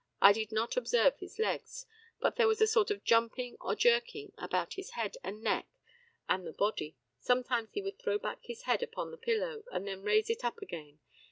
I did not observe his legs, but there was a sort of jumping or jerking about his head and neck and the body. Sometimes he would throw back his head upon the pillow, and then raise it up again.